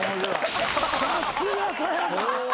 さすがさや香。